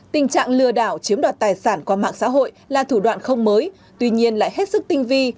tình trạng lừa đảo chiếm đoạt tài sản qua mạng xã hội là thủ đoạn không mới tuy nhiên lại hết sức tinh vi